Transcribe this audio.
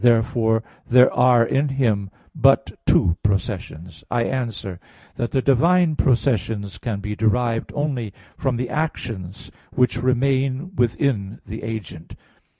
Therefore there are in Him but two processions. I answer that, The divine processions can be derived only from the actions which remain within the agent.